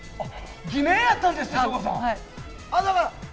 偽名やったんですね、省吾さん。